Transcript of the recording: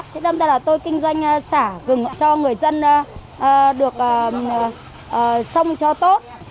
thế năm nay là tôi kinh doanh xả gừng cho người dân được sông cho tốt